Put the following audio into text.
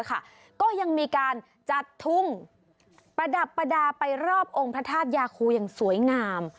ก็ยังมีการจัดทุ่งประดับประดาษไปรอบองค์พระธาตุยาคูอย่างสวยงาม